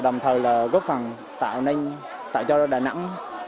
đồng thời là góp phần tạo nên tạo cho đà nẵng trở thành một điểm đến du lịch thu hút